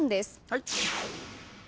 はい。